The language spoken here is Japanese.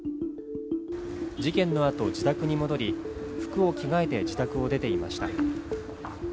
事件のあと、自宅に戻り、服を着替えて、自宅を出ていました。